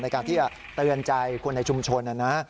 ในการที่จะเตือนใจคนในชุมชนนะนะ